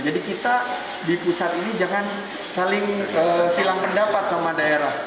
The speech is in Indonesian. jadi kita di pusat ini jangan saling silang pendapat sama daerah